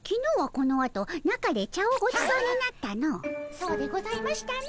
そうでございましたね。